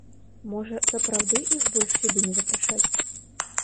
Можа, сапраўды іх больш сюды не запрашаць?